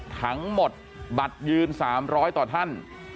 ทั้งหมดบัตรยืน๓๐๐ต่อท่าน